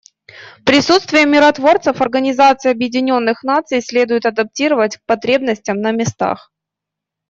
Присутствие миротворцев Организации Объединенных Наций следует адаптировать к потребностям на местах.